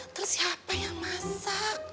terus siapa yang masak